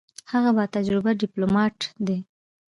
هغه با تجربه ډیپلوماټ دی.